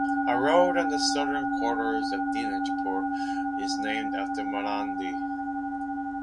A road on the southern quarters of Dinajpur is named after Marandi.